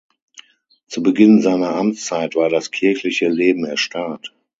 Zu Beginn seiner Amtszeit war das kirchliche Leben erstarrt.